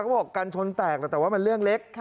เขาบอกกันชนแตกแต่ว่ามันเรื่องเล็ก